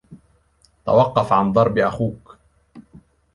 توقف عن ضرب أخوك.